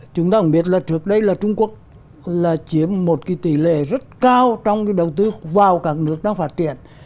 chúng ta cũng biết là trước đây là trung quốc là chiếm một tỷ lệ rất cao trong cái đầu tư vào các nước đang phát triển